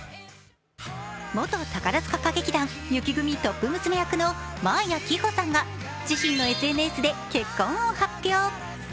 元宝塚歌劇団・雪組トップ娘役の真彩希帆さんが自身のＳＮＳで結婚を発表。